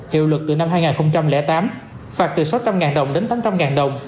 hiệu lực từ năm hai nghìn tám phạt từ sáu trăm linh đồng đến tám trăm linh đồng